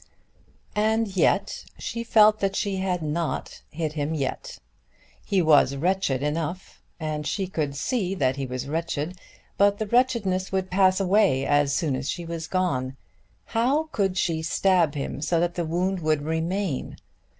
And yet she felt that she had not hit him yet. He was wretched enough; and she could see that he was wretched; but the wretchedness would pass away as soon as she was gone. How could she stab him so that the wound would remain?